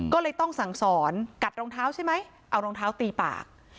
ก็เลยต้องสั่งสอนกัดรองเท้าใช่ไหมเอารองเท้าตีปาก